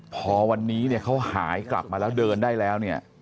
พอวันนี้เขาหายกลับมาแล้วเดินได้แล้ว